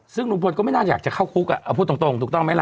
ซึ่งลุงพลก็ไม่น่าอยากจะเข้าคุกอ่ะเอาพูดตรงถูกต้องไหมล่ะ